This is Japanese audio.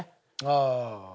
ああ。